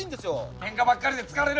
ケンカばっかりで疲れる！